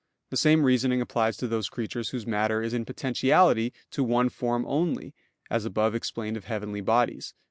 The same reasoning applies to those creatures whose matter is in potentiality to one form only, as above explained of heavenly bodies (Q.